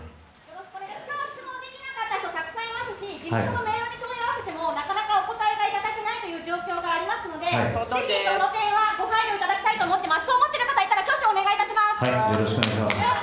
今日質問できなかった人たくさんいますし、事務所に問い合わせてもなかなかお答えがいただけないという状況がありますので、その点はご配慮いただきたいと思います。